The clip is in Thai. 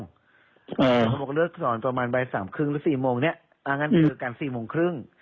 เออเรื่องเลือกสอนประมาณใบสามครึ่งหรือสี่โมงเนี้ยอ่างั้นคือการสี่โมงครึ่ง